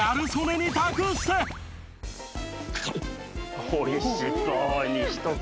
美味しそうにひと口。